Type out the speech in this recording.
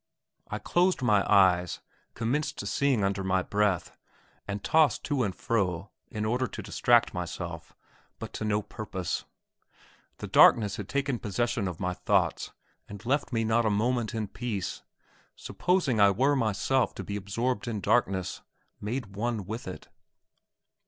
I closed my eyes, commenced to sing under my breath, and tossed to and fro, in order to distract myself, but to no purpose. The darkness had taken possession of my thoughts and left me not a moment in peace. Supposing I were myself to be absorbed in darkness; made one with it?